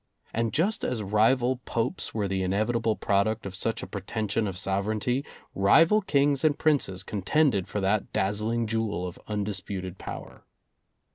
And just as rival popes were the inevit able product of such a pretension of sovereignty, rival kings and princes contended for that dazzling jewel of undisputed power.